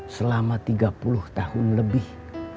selama tiga puluh tahun lebih